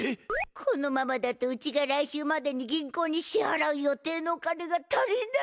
このままだとうちが来週までに銀行にしはらう予定のお金が足りないよ。